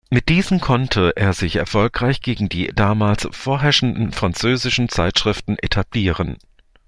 Mit diesen konnte er sich erfolgreich gegen die damals vorherrschenden französischen Zeitschriften etablieren.